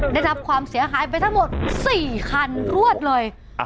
ได้รับความเสียหายไปทั้งหมด๔คันรวดเลย